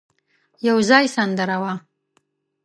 يو ځای سندره وه.